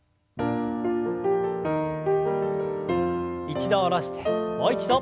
一度下ろしてもう一度。